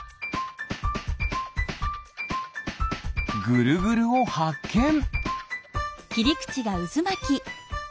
ぐるぐるをはっけん。